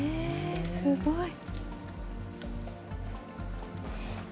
すごい！